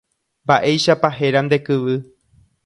Mba'éichapa héra nde kyvy.